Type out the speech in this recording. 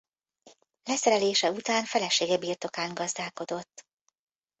Leszerelése után felesége birtokán gazdálkodott.